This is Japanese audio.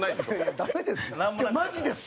ダメです。